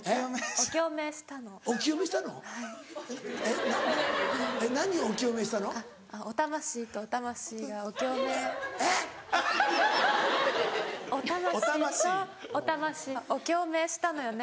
お共鳴したのよね。